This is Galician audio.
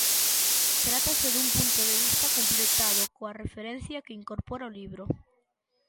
Trátase dun punto de vista completado coa referencia que incorpora o libro.